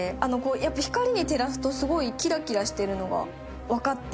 やっぱ光に照らすとすごいキラキラしてるのがわかって。